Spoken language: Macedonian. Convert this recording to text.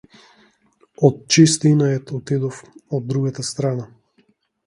Од чист инатет отидов од другата страна.